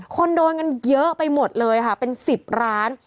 คนโดนกันเยอะไปหมดเลยค่ะเป็น๑๐ร้าน